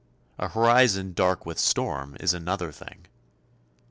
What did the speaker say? A horizon dark with storm is another thing.